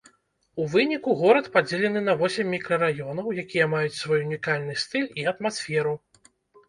У выніку горад падзелены на восем мікрараёнаў, якія маюць свой унікальны стыль і атмасферу.